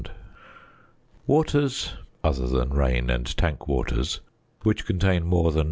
Waters (other than rain and tank waters) which contain more than 0.